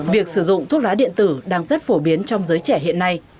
việc sử dụng thuốc lá điện tử đang rất phổ biến trong giới trẻ hiện nay